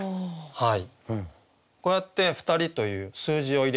はい。